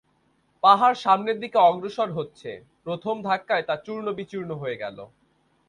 পাহাড় সামনের দিকে অগ্রসর হচ্ছে, প্রথম ধাক্কায় তা চূর্ণ-বিচূর্ণ হয়ে গেল।